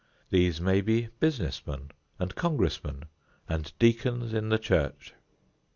These may be business men and congressmen and deacons in the church.